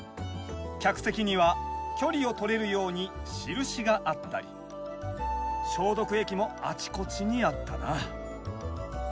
客席には距離を取れるように印があったり消毒液もあちこちにあったな。